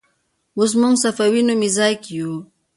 اوس موږ صفوي نومې ځای کې یو.